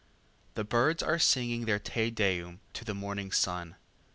The birds are singing their Te Deum to the morning sun.